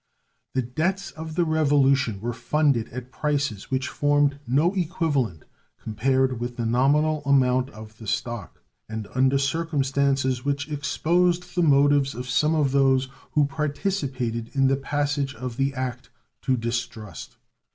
The debts of the Revolution were funded at prices which formed no equivalent compared with the nominal amount of the stock, and under circumstances which exposed the motives of some of those who participated in the passage of the act to distrust.